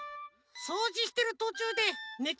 そうじしてるとちゅうでね